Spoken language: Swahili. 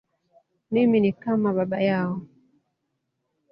Mimi ni kama baba yao.